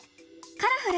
「カラフル！